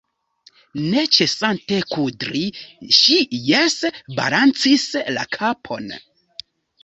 Ne ĉesante kudri, ŝi jese balancis la kapon.